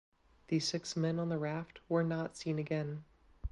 The six men on the raft were not seen again.